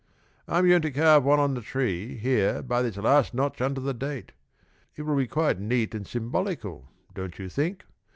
I'm going to carve one on the tree, here by this last notch under the date. It will be quite neat and symbolical, don't you think?